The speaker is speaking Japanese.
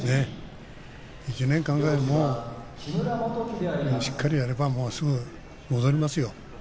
１年間ぐらいしっかりやればもうすぐ戻りますよ。